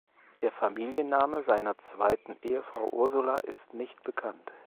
Der Familienname seiner zweiten Ehefrau Ursula ist nicht bekannt.